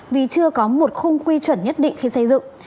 vì chưa có một khung quy chuẩn nhất định khi xây dựng